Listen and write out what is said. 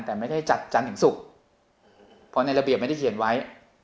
แต่ไม่ได้จัดจันทร์ถึงศุกร์เพราะในระเบียบไม่ได้เขียนไว้